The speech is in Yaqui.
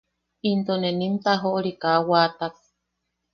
Into ne nim tajoʼori kaa wattak.